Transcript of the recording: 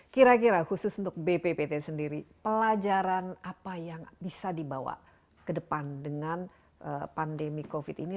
kira kira khusus untuk bppt sendiri pelajaran apa yang bisa dibawa ke depan dengan pandemi covid ini